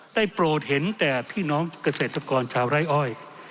โปรดเห็นแต่พี่น้องเกษตรกรชาวไร้อ้อย